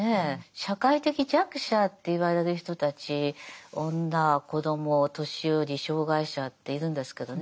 社会的弱者って言われる人たち女・子供・お年寄り・障がい者っているんですけどね